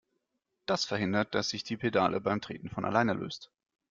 Das verhindert, dass sich die Pedale beim Treten von alleine löst.